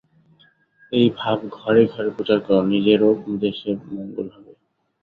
এই ভাব ঘরে ঘরে প্রচার কর, নিজের ও দেশের মঙ্গল হবে।